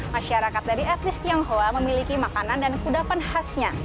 masyarakat dari etnis tionghoa memiliki makanan dan kudapan khasnya